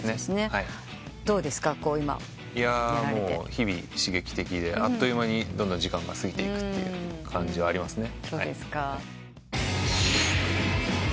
日々刺激的であっという間にどんどん時間が過ぎていくって感じはありますね。